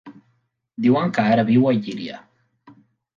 Diuen que ara viu a Llíria.